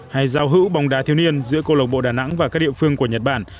hay giao hữu bóng đá thiếu niên giữa câu lộc bộ đà nẵng và các địa phương của nhật bản